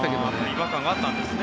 違和感があったんですね